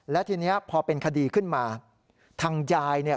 และทีนี้พอเป็นคดีขึ้นมาทางยายเนี่ย